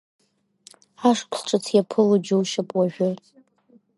Ашықәс ҿыц иаԥыло џьушьап уажәы!